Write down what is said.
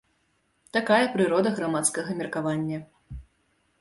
Такая прырода грамадскага меркавання.